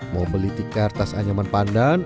mau beli tikar tas anyaman pandan